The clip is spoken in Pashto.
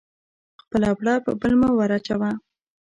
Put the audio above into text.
خپله پړه په بل مه ور اچوه